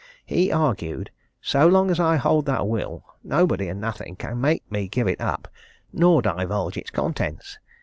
He argued 'So long as I hold that will, nobody and nothing can make me give it up nor divulge its contents.